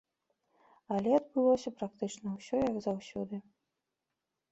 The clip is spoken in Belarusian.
Але адбылося практычна ўсё, як заўсёды.